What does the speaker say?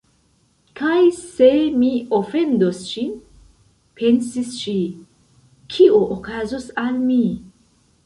"Kaj se mi ofendos ŝin," pensis ŝi, "kio okazos al mi? »